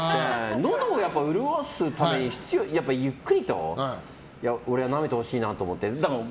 のどを潤すためにやっぱりゆっくり俺はなめてほしいなと思って。